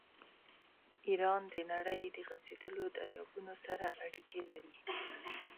ایران د نړۍ د غځېدلو دریابونو سره اړیکې لري.